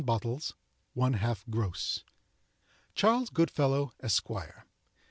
bottles (1/2 Gross) "Charles Goodfellow, Esquire.